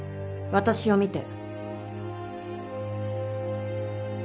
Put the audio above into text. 私を見て。